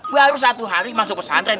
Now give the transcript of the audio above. baru satu hari masuk pesantren